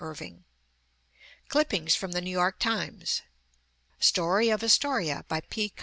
Irving; Clippings from the New York Times; Story of Astoria, by P.